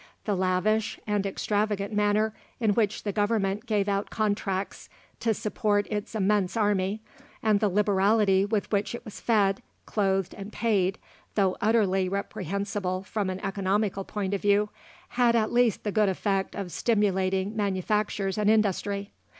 The lavish and extravagant manner in which the Government gave out contracts to support its immense army, and the liberality with which it was fed, clothed, and paid, though utterly reprehensible from an economical point of view, had at least the good effect of stimulating manufactures and industry.